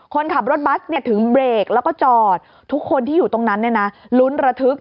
คนขับรถบัสถึงเบรกแล้วก็จอดทุกคนที่อยู่ตรงนั้นลุ้นระทึก